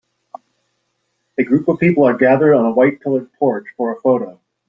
A group of people are gathered on a white pillared porch for a photo.